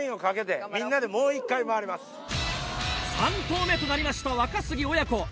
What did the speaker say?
３投目となりました若杉親子。